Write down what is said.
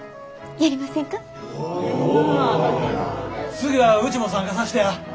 次はうちも参加さしてや！